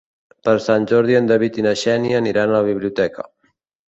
Per Sant Jordi en David i na Xènia aniran a la biblioteca.